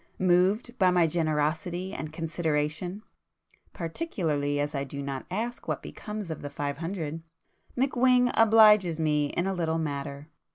Moved by my generosity and consideration, (particularly as I do not ask what becomes of the five hundred) McWhing 'obliges' me in a little matter.